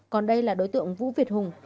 còn đây là đối tượng vũ việt hùng